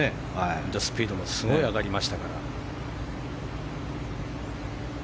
ヘッドスピードもすごい上がりましたから。